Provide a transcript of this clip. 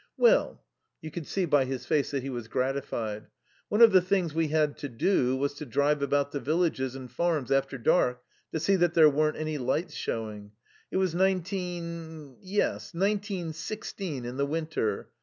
"Well" you could see by his face that he was gratified "one of the things we had to do was to drive about the villages and farms after dark to see that there weren't any lights showing. It was nineteen yes nineteen sixteen, in the winter.